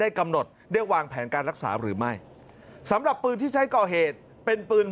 กำหนดได้วางแผนการรักษาหรือไม่สำหรับปืนที่ใช้ก่อเหตุเป็นปืน